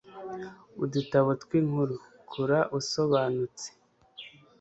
udutabo tw'inkuru kura usobanutse